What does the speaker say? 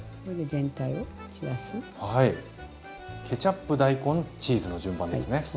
ケチャップ大根チーズの順番ですね。